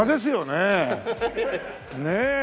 ねえ。